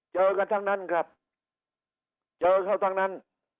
เจอกันทั้งนั้นครับเจอเขาทั้งนั้น